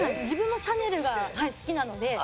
自分もシャネルが好きなので。